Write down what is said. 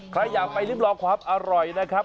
ใครอยากไปริมลองความอร่อยนะครับ